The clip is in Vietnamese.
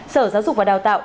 sở giáo dục và đào tạo